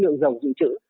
lượng dầu dự trữ